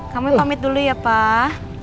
kami pamit dulu ya pak